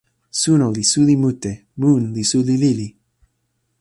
suno li suli mute. mun li suli lili.